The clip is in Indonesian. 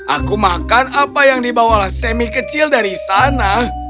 aku makan apa yang dibawalah semi kecil dari sana